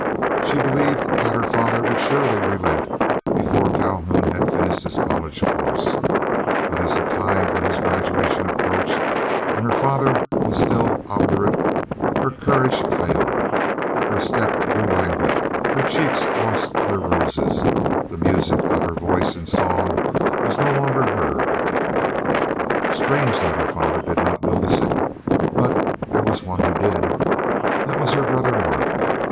She believed that her father would surely relent before Calhoun had finished his college course; but as the time for his graduation approached, and her father was still obdurate, her courage failed. Her step grew languid, her cheeks lost their roses, the music of her voice in song was no longer heard. Strange that her father did not notice it, but there was one who did. That was her brother Mark.